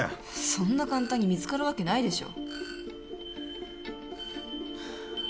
そんな簡単に見つかるわけないでしょ